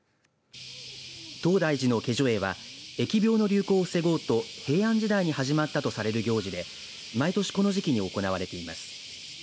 東大寺の解除会は疫病の流行を防ごうと平安時代に始まったとされる行事で毎年この時期に行われています。